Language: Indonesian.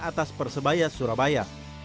atas persebaya surabaya